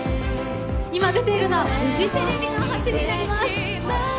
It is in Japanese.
今出ているのはフジテレビの８になります。